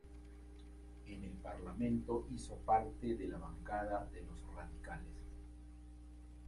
En el parlamento hizo parte de la bancada de los radicales.